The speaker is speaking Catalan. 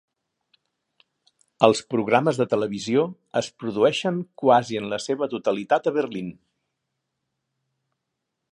Els programes de televisió es produeixen quasi en la seva totalitat a Berlín.